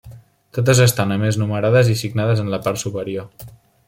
Totes estan a més numerades i signades en la part superior.